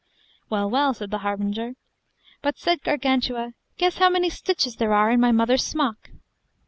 Well, well, said the harbinger. But, said Gargantua, guess how many stitches there are in my mother's smock.